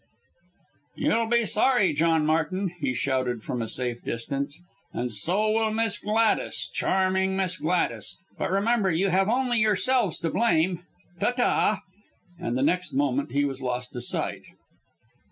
"You'll be sorry, John Martin!" he shouted from a safe distance, "and so will Miss Gladys, charming Miss Gladys. But remember you have only yourselves to blame. Ta ta!", and the next moment he was lost to sight.